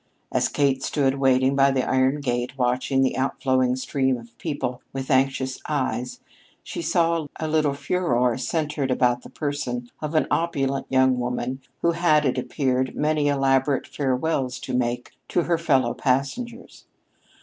As Kate stood waiting by the iron gate watching the outflowing stream of people with anxious eyes, she saw a little furore centered about the person of an opulent young woman who had, it appeared, many elaborate farewells to make to her fellow passengers.